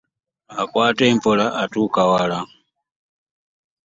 Akwata empola atuuka wa;a .